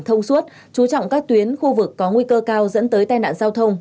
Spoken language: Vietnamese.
thông suốt chú trọng các tuyến khu vực có nguy cơ cao dẫn tới tai nạn giao thông